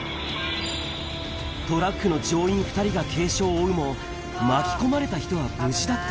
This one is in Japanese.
トラックの乗員２人が軽傷を負うも、巻き込まれた人は無事だった。